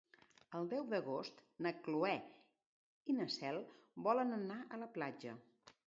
El deu d'agost na Cloè i na Cel volen anar a la platja.